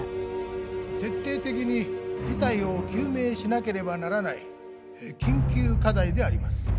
徹底的に事態を究明しなければならない緊急課題であります。